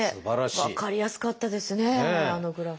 分かりやすかったですねあのグラフ。